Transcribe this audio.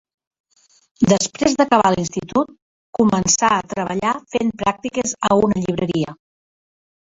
Després d'acabar l'institut, començà a treballar fent pràctiques a una llibreria.